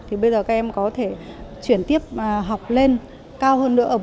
thì bây giờ các em có thể chuyển tiếp học lên cao hơn nữa